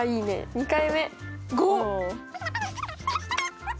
２回目５！